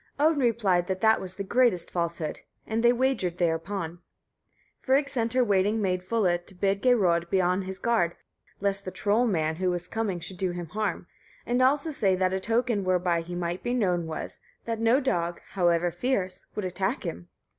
Odin replied that that was the greatest falsehood; and they wagered thereupon. Frigg sent her waiting maid Fulla to bid Geirröd be on his guard, lest the trollmann who was coming should do him harm, and also say that a token whereby he might be known was, that no dog, however fierce, would attack him.